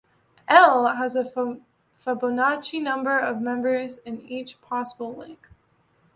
"L" has a Fibonacci number of members of each possible length.